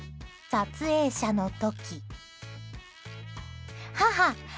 撮影者の時！